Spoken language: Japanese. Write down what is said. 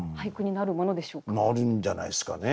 なるんじゃないですかね。